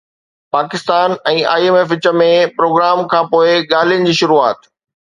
Pakistan ۽ I M F وچ ۾ programme کانپوءِ ڳالهين جي شروعات